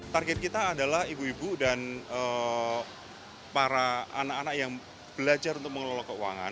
target kita adalah ibu ibu dan para anak anak yang belajar untuk mengelola keuangan